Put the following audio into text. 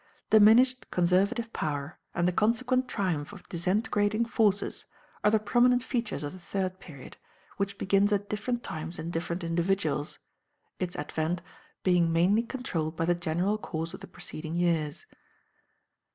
Diminished conservative power and the consequent triumph of disintegrating forces are the prominent features of the third period, which begins at different times in different individuals, its advent being mainly controlled by the general course of the preceding years.